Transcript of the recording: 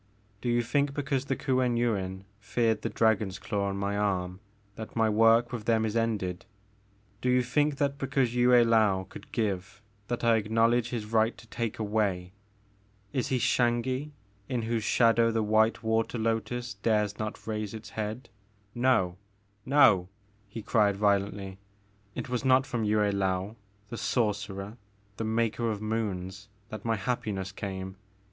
Do you think because the Kuen Yuin feared the dragon's claw on my arm that my work with them is ended? Do you think that because Yue I^ou could give, that I acknowledge his right to take away? Is he Xangi in whose shadow the white water lotus dares not raise its head ? No ! No !*' he cried violently, it was not from Yue Laou, the sor cerer, the Maker of Moons, that my happiness came !